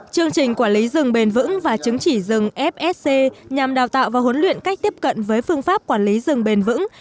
chương trình quản lý rừng bền vững và chứng chỉ rừng fsc nhằm đào tạo và huấn luyện cách tiếp cận với phương pháp quản lý rừng bền vững